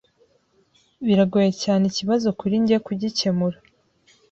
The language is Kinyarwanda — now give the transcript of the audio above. Biragoye cyane ikibazo kuri njye kugikemura.